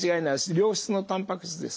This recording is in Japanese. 良質のたんぱく質です。